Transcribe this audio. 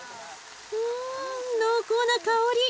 うん濃厚な香り。